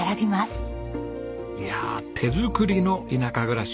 いやあ手作りの田舎暮らし。